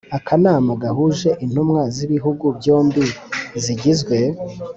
akanama gahuje intumwa z'ibihugu byombi zigizwe